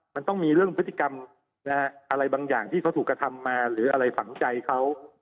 มันต้องมีเรื่องพฤติกรรมอะไรบางอย่างที่เขาถูกกระทำมาหรืออะไรฝังใจเขา